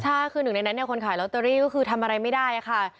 ใช่คือหนึ่งในนั้นเนี่ยคนขายลอตเตอรี่ก็คือทำอะไรไม่ได้ค่ะ